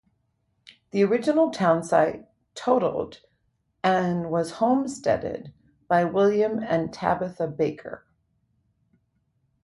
The original townsite totaled and was homesteaded by William and Tabitha Baker.